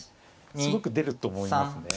すごく出ると思いますね。